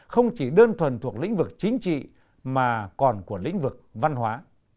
không chỉ đơn thuần thuộc lĩnh vực chính trị mà còn của lĩnh vực văn hóa